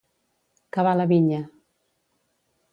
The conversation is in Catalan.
Cavar la vinya.